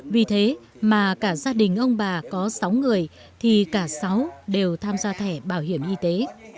vì thế mà cả gia đình ông bà có sáu người thì cả sáu đều tham gia thẻ bảo hiểm y tế